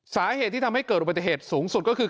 สาเหตุที่ทำให้เกิดอุบัติเหตุสูงสุดก็คือ